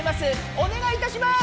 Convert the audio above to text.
おねがいいたします！